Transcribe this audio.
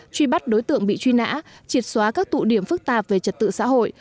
truy bắt đối tượng bị truy nã triệt xóa các tụ điểm phức tạp về trật tự xã hội